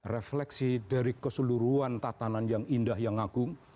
refleksi dari keseluruhan tatanan yang indah yang agung